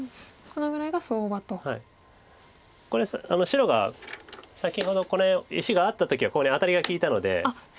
白が先ほどこれ石があった時はここにアタリが利いたので。